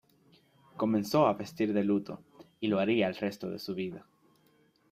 Comenzó a vestir de luto y lo haría el resto de su vida.